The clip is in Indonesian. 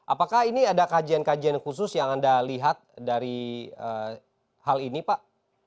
apakah ini ada kajian kajian khusus yang anda lihat dari hal ini pak